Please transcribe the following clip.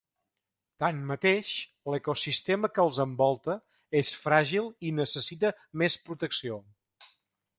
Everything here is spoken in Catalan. Tanmateix, l'ecosistema que els envolta és fràgil i necessita més protecció.